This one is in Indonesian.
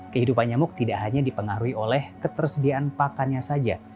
kehidupan nyamuk tidak hanya dipengaruhi oleh ketersediaan pakannya saja